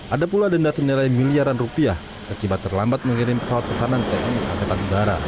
ada pula denda senilai miliaran rupiah terkibat terlambat mengirim pesawat pesanan tni as